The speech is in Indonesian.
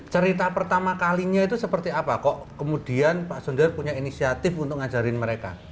cerita pertama kalinya itu seperti apa kok kemudian pak sundar punya inisiatif untuk ngajarin mereka